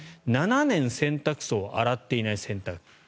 ７年、洗濯槽を洗っていない洗濯機